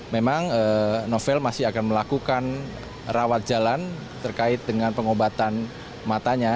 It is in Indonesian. memang novel masih akan melakukan rawat jalan terkait dengan pengobatan matanya